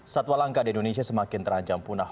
satwa langka di indonesia semakin terancam punah